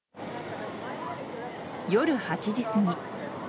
夜８時過ぎ。